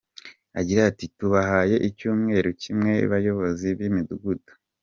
Agira ati “Tubahaye icyumweru kimwe bayobozi b’imidugudu.